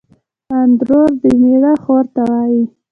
اندرور دمېړه خور ته وايي